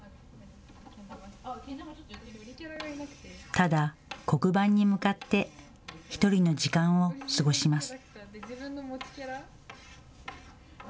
ただ黒板に向かって１人の時間を過ごします。